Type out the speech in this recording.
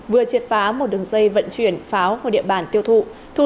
vừa triệt phá một đường dây vận chuyển pháo của địa bản tiêu thụ